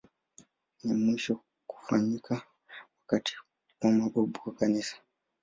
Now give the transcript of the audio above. Ni wa mwisho kufanyika wakati wa mababu wa Kanisa.